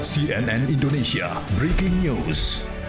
cnn indonesia breaking news